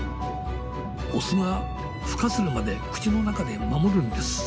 オスがふ化するまで口の中で守るんです。